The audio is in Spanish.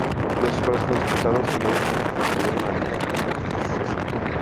Dos escuelas fueron sepultadas y varios niños perdieron la vida en el trágico suceso.